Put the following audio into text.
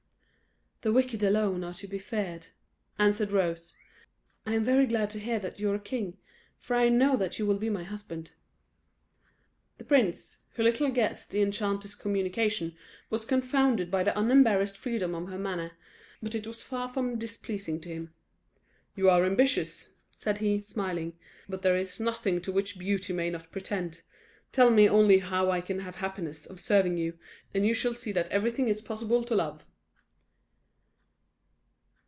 "The wicked alone are to be feared," answered Rose. "I am very glad to hear that you are a king, for I know that you will be my husband." The prince, who little guessed the enchanter's communication, was confounded by the unembarrassed freedom of her manner; but it was far from displeasing to him. "You are ambitious," said he, smiling; "but there is nothing to which beauty may not pretend. Tell me only how I can have the happiness of serving you, and you shall see that everything is possible to love."